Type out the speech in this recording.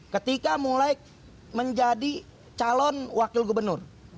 ketika mulai menjadi calon wakil gubernur